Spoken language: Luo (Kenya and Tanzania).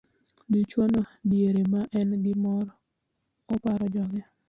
Dichwo no diere ma en gi mor, oparo joge